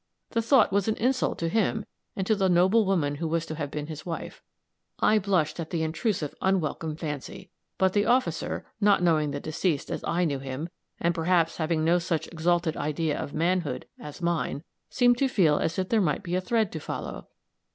The thought was an insult to him and to the noble woman who was to have been his wife. I blushed at the intrusive, unwelcome fancy; but the officer, not knowing the deceased as I knew him, and, perhaps, having no such exalted idea of manhood as mine, seemed to feel as if here might be a thread to follow.